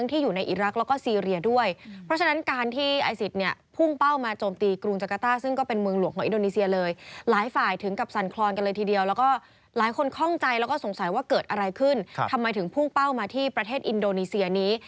ทำไมถึงพุ่งเป้ามาที่ประเทศอินโดนีเซียนี้